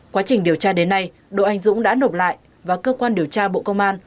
quá trình điều tra đến nay đội anh dũng đã nộp lại và cơ quan điều tra bộ công an